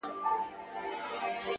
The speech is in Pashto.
د سړک څراغونه د شپې لار نرموي!.